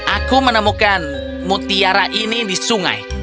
aku menemukan mutiara ini di sungai